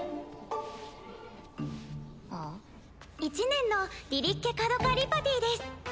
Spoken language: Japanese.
１年のリリッケ・カドカ・リパティです。